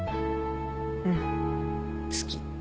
うん好き。